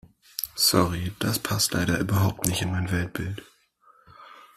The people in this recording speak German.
Sorry, das passt leider überhaupt nicht in mein Weltbild.